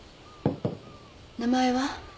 名前は？